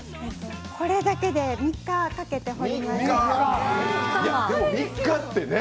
これだけで３日かけて彫りました。